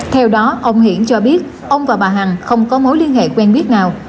theo đó ông hiển cho biết ông và bà hằng không có mối liên hệ quen biết nào